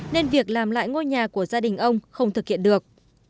nên việc làm lại ngôi nhà của gia đình ông không thực hiện được